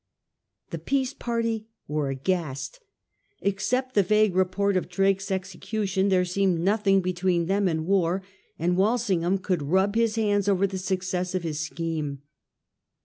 The peace party were aghast Except the vague report of Drake's execu tion, there seemed nothing between them and war, and Walsingham could rub his hands over the success of his scheme.